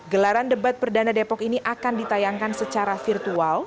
gelaran debat perdana depok ini akan ditayangkan secara virtual